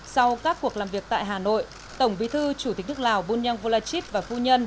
sau các cuộc làm việc tại hà nội tổng bí thư chủ tịch nước lào bunyang volachit và phu nhân